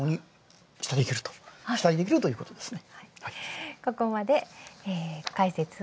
期待できるということですね。